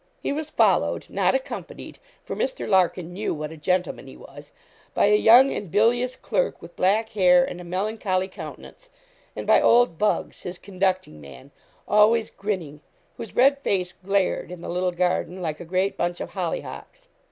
He was followed, not accompanied for Mr. Larkin knew what a gentleman he was by a young and bilious clerk, with black hair and a melancholy countenance, and by old Buggs his conducting man always grinning, whose red face glared in the little garden like a great bunch of hollyhocks.